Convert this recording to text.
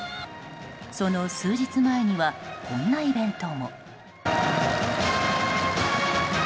その数日前にはこんなイベントも。